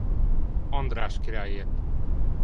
András királyért.